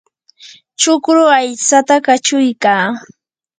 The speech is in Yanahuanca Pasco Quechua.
chukru aytsata kachuykaa.